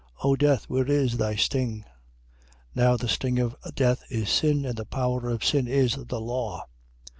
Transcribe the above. O death, where is thy sting? 15:56. Now the sting of death is sin: and the power of sin is the law.